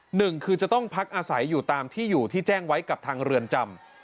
หนึ่งคือจะต้องพักอาศัยอยู่ตามที่อยู่ที่แจ้งไว้กับทางเรือนจำ